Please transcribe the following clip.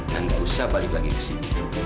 dan jangan balik lagi ke sini